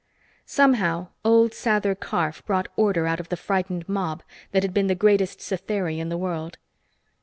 Somehow, old Sather Karf brought order out of the frightened mob that had been the greatest Satheri in the world.